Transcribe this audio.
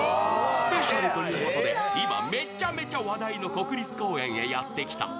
スペシャルということで、今、めっちゃめっちゃ話題の国立公園へやってきた。